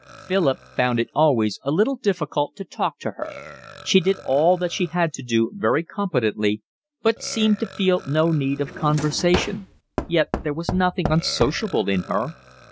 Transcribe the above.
Philip found it always a little difficult to talk to her. She did all that she had to do very competently, but seemed to feel no need of conversation; yet there was nothing unsociable in her.